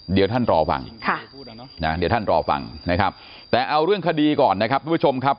เดี๋ยวท่านรอฟังแต่เอาเรื่องคดีก่อนนะครับคุณผู้ชมครับ